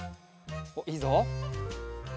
おっいいぞ。